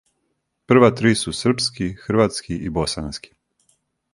Прва три су српски, хрватски и босански.